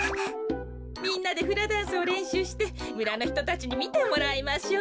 みんなでフラダンスをれんしゅうしてむらのひとたちにみてもらいましょう。